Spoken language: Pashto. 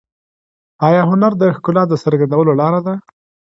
آیا هنر د ښکلا د څرګندولو لاره ده؟